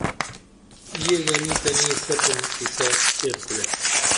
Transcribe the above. یے گنی تنی سُپن قصہ تیر کُرے